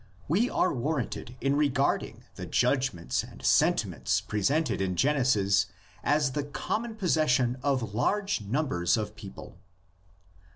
We are warranted in regard ing the judgments and sentiments presented in Gen esis as the common possession of large numbers of people.